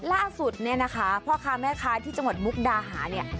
ล่าสุดเนี่ยนะคะพ่อค้าแม่ค้าที่จังหวัดมุกดาหาเนี่ย